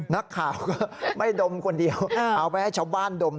นักข่าวก็ไม่ดมคนเดียวเอาไปให้ชาวบ้านดม